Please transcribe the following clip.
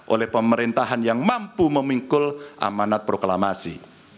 oleh pemerintahan yang mampu memikul amanat proklamasi